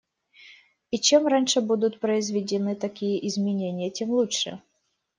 И чем раньше будут произведены такие изменения, тем лучше.